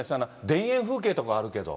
田園風景とかはあるけど。